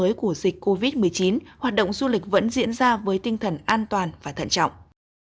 với của dịch covid một mươi chín hoạt động du lịch vẫn diễn ra với tinh thần an toàn và thận trọng